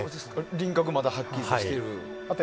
輪郭がまだはっきりしていると。